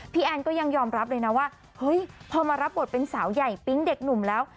แอนก็ยังยอมรับเลยนะว่าเฮ้ยพอมารับบทเป็นสาวใหญ่ปิ๊งเด็กหนุ่มแล้ว